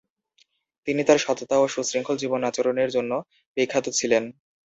তিনি তাঁর সততা ও সুশৃঙ্খল জীবনাচরণের জন্য বিখ্যাত ছিলেন।